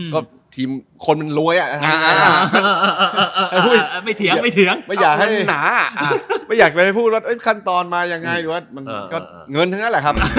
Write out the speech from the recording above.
ก็ทีมคนมันรวยอะไม่อยากไปพูดว่าเอ้ยคันตอนมายังไงมันเงินเท่านั้นแหละครับ